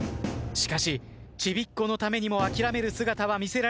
しかしチビっ子のためにも諦める姿は見せられない。